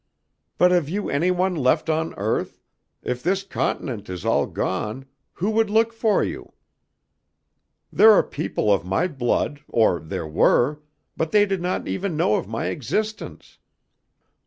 But have you any one left on earth; if this continent is all gone, who would look for you? There are people of my blood, or there were, but they did not even know of my existence."